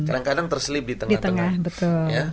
kadang kadang terselip di tengah tengah